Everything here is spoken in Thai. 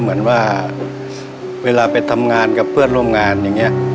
เหมือนว่าเวลาไปทำงานกับเพื่อนร่วมงานอย่างนี้